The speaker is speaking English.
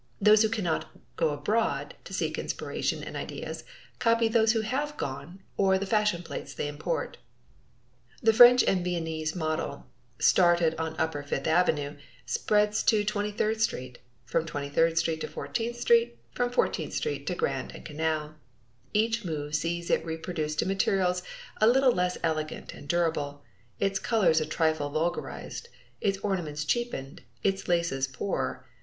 Those who cannot go abroad to seek inspiration and ideas copy those who have gone or the fashion plates they import. The French or Viennese mode, started on upper Fifth Avenue, spreads to 23d St., from 23d St. to 14th St., from 14th St. to Grand and Canal. Each move sees it reproduced in materials a little less elegant and durable, its colors a trifle vulgarized, its ornaments cheapened, its laces poorer.